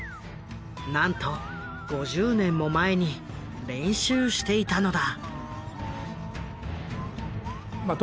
なんと５０年も前に練習していたのだ！